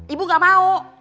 ibu gak mau